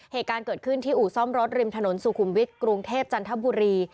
เหตุการณ์เกิดขึ้นที่อู่ซ่อมรถริมถนนสุขุมวิทย์กรุงเทพจันทบุรี